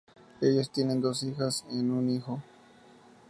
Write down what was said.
Ellos tienen dos hijas en un hijo.